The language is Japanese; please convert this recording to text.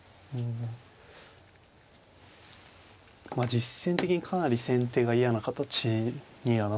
実戦的にかなり先手が嫌な形にはなってますね。